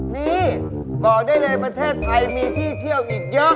นี่บอกได้เลยประเทศไทยมีที่เที่ยวอีกเยอะ